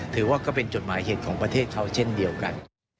ถือว่าเป็นจดหมายเหตุของประเทศเขาเช่นเดียวกัน